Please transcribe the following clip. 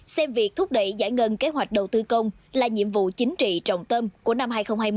xem việc thúc đẩy giải ngân kế hoạch đầu tư công là nhiệm vụ chính trị trọng tâm của năm hai nghìn hai mươi